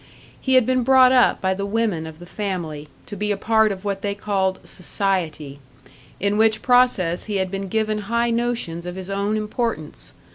He had been brought up by the women of the family, to be a part of what they called "society"; in which process he had been given high notions of his own importance.